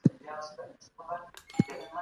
سازمانونه به په ګډه همکاري کوي.